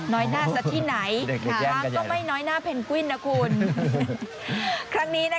น้อยหน้าซักที่ไหนคล้างก็ไม่น้อยหน้าเพนกวิ้นนะคุณเด็กแย่งกันใหญ่